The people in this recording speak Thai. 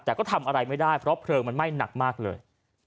แต่ก็ทำอะไรไม่ได้เพราะเพลิงมันไหม้หนักมากเลย